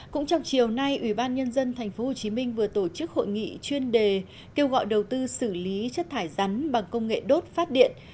cũng trong chiều nay ủy ban nhân dân tp hcm vừa tổ chức hội nghị chuyên đề kêu gọi đầu tư xử lý chất thải rắn bằng công nghệ đốt phát điện